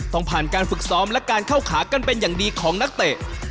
ต้องผ่านการฝึกซ้อมและการเข้าขากันเป็นอย่างดีของนักเตะ